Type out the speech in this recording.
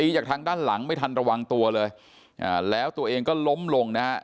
จากทางด้านหลังไม่ทันระวังตัวเลยอ่าแล้วตัวเองก็ล้มลงนะฮะ